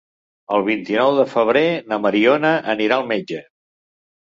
El vint-i-nou de febrer na Mariona anirà al metge.